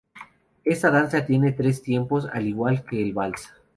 Esta danza tiene tres tiempos al igual que el Vals.